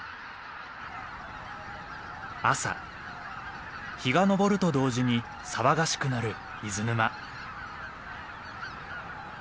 朝日が昇ると同時に騒がしくなる伊豆沼。